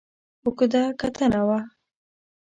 اوږده کتنه وه.